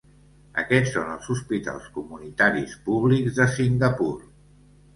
Aquests són els hospitals comunitaris públics de Singapur.